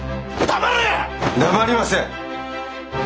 黙りません！